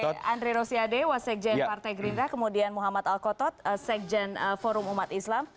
abang andre andre rosiade wasegjen partai gerindra kemudian muhammad al kotod sekjen forum umat islam